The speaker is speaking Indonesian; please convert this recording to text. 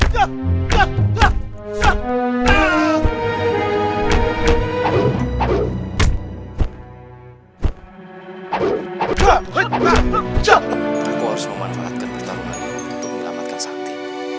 kau harus memanfaatkan pertarunganmu untuk melamatkan sakti